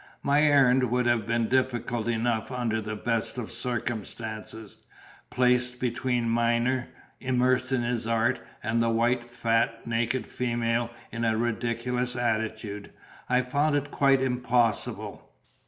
My errand would have been difficult enough under the best of circumstances: placed between Myner, immersed in his art, and the white, fat, naked female in a ridiculous attitude, I found it quite impossible.